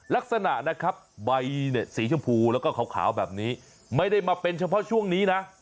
ลักษณะนะครับใบเนี่ยสีชมพูแล้วก็ขาวแบบนี้ไม่ได้มาเป็นเฉพาะช่วงนี้นะ